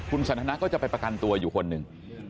คุณสันทนาก็จะไปประกันตัวอยู่คนหนึ่ง